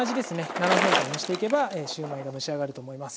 ７分間蒸していけばシューマイが蒸し上がると思います。